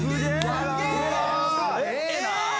すげえ！え！